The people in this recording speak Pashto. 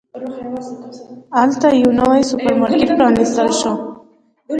هلته یو نوی سوپرمارکېټ پرانستل شو.